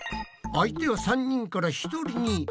相手は３人から１人に。